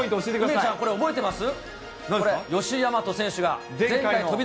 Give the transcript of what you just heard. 梅ちゃん、これ覚えてます？